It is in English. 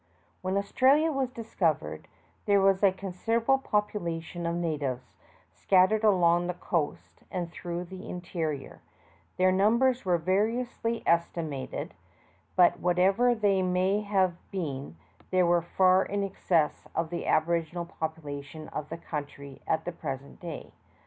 ^HEN Australia was discovered, * there was a consid erable population of natives scattered \ along the coast and through the inte ^rior; their numbers were variously esti V ' mated, but whatever they may have been they were far in excess of the aboriginal population of the country at the present day.